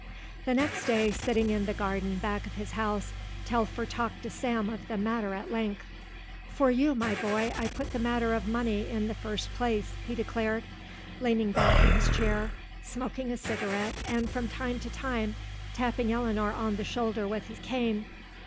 The next day, sitting in the garden back of his house, Telfer talked to Sam of the matter at length. "For you, my boy, I put the matter of money in the first place," he declared, leaning back in his chair, smoking a cigarette and from time to time tapping Eleanor on the shoulder with his cane.